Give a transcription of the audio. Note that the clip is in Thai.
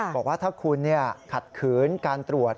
บอกว่าถ้าคุณขัดขืนการตรวจ